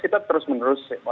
kita terus menerus